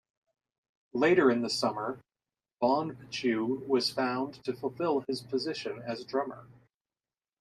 Later in the summer, Bonb-Chu was found to fulfill his position as drummer.